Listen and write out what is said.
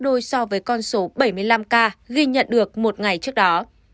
đôi so với con số bảy mươi năm ca ghi nhận được một ngày trước đó